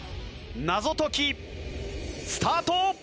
謎解きスタート！